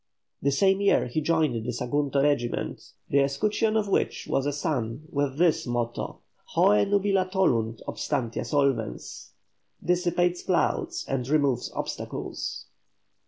The same year he joined the Sagunto regiment, the escutcheon of which was a sun with this motto "Hœ nubila tolunt obstantia solvens" dissipates clouds and removes obstacles.